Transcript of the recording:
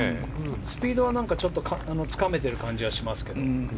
スピードはちょっとつかめてる感じはしますけど。